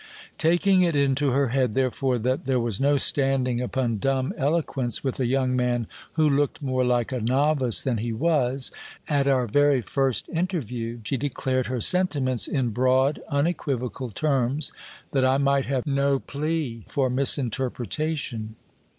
Taking it into her head, therefore, that there was no standing upon dumb eloquence with a young man who looked more GIL BLAS. like a novice than he was, at our very first interview she declared her sentiments in broad, unequivocal terms, that I might have no plea for misinterpretation.